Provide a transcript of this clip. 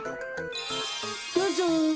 どうぞ。